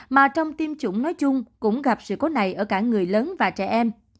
mà trong tiêm chủng nói chung cũng gặp sự cố này ở cả người lớn và trẻ em